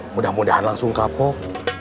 mudah mudahan langsung kapok